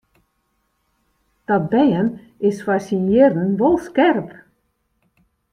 Dat bern is foar syn jierren wol skerp.